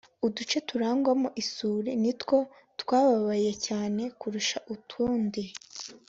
uduce turangwamo isuri nitwo twababaye cyane kurusha utundi.